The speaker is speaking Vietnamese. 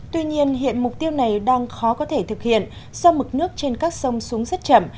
tuy nhiên hiện mục tiêu này đang khó có thể thực hiện do mực nước trên các sông xuống rất chậm